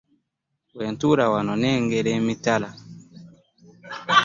Bwentuula wano nnengera e mitala.